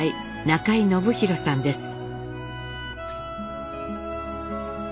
中井信弘さんです。